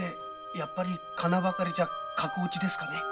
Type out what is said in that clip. やっぱりかなばかりじゃ格落ちですかねえ？